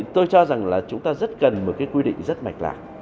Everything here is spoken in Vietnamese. tôi cho rằng chúng ta rất cần một quy định rất mạch lạ